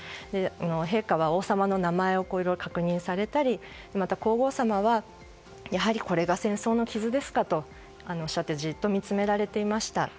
陛下は王様の名前をいろいろ確認されたり皇后さまはやはりこれが戦争の傷ですかとおっしゃってじっと見つめられていました。